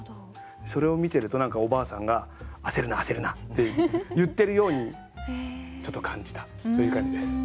それを見てると何かおばあさんが「焦るな焦るな」って言ってるようにちょっと感じたという感じです。